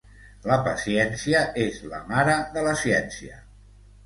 La paciència és la mare de la ciència.